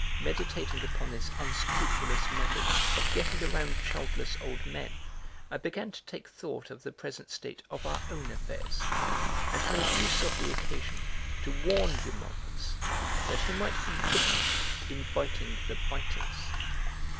Meditating upon this unscrupulous method of getting around childless old men, I began to take thought of the present state of our own affairs and made use of the occasion to warn Eumolpus that he might be bitten in biting the biters.